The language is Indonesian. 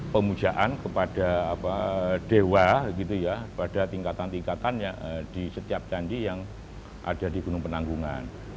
pemujaan kepada dewa gitu ya pada tingkatan tingkatan di setiap candi yang ada di gunung penanggungan